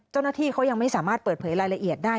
เจ้าหน้าที่เขายังไม่สามารถเปิดเผยรายละเอียดได้